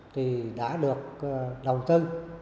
thì đã được đầu tư